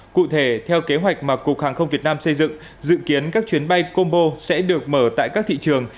cụ thể theo kế hoạch mà cục hàng không việt nam xây dựng dự kiến các chuyến bay combo sẽ được mở tại các thị trường